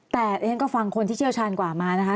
แต่เรียนก็ฟังคนที่เชี่ยวชาญกว่ามานะคะ